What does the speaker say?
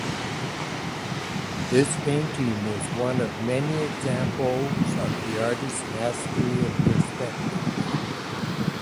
This painting is one of many examples of the artist's mastery of perspective.